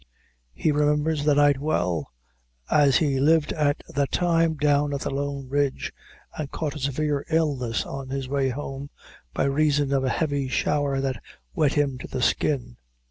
He remembers the night well, as he lived at that time down at the Long Ridge, and caught a severe illness on his way home, by reason of a heavy shower that wet him to the skin.